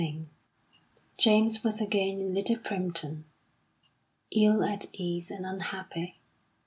XXI James was again in Little Primpton, ill at ease and unhappy.